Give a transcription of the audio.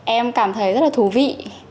em cảm thấy rất là thú vị